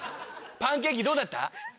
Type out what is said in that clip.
パンケーキどうだった？